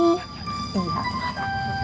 iya curhat apa